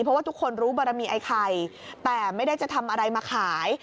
เพราะว่าทุกคนรู้บารมีไอ้ไข่แต่ไม่ได้จะทำอะไรมาขาย